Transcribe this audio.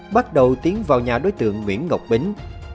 bắt đầu tiến vào nhà đối tượng nguyễn ngọc bính